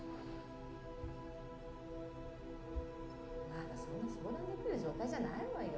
・まだそんな相談できる状態じゃないわよ。